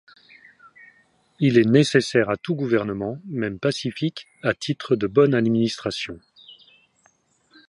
Il est nécessaire à tout gouvernement, même pacifique, à titre de bonne administration.